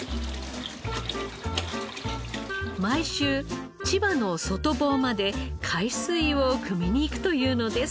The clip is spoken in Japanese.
毎週千葉の外房まで海水をくみに行くというのです。